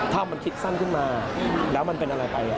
ถ้ามันคิดสั้นขึ้นมาแล้วมันเป็นอะไรไป